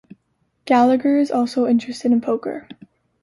Gallagher is also interested in poker.